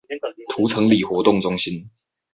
塗城里活動中心